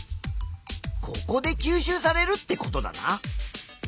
ここで吸収されるってことだな。